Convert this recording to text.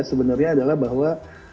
sebenarnya adalah bahwa